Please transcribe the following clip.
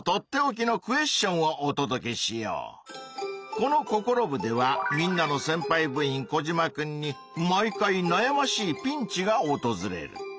この「ココロ部！」ではみんなのせんぱい部員コジマくんに毎回なやましいピンチがおとずれる。